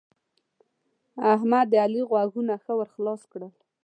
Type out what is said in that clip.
احمد؛ د علي غوږونه ښه ور خلاص کړل.